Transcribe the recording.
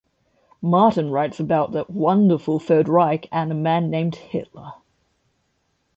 Martin writes about the "wonderful" Third Reich and a man named "Hitler.